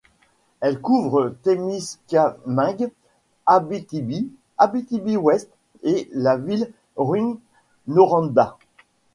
Elle couvre Témiscamingue, Abitibi, Abitibi-Ouest et la ville Rouyn-Noranda.